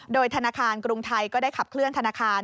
โดยธนาคารกรุงไทยก็ได้ขับเคลื่อนธนาคาร